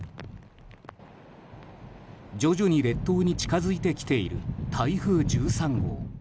徐々に列島に近づいてきている台風１３号。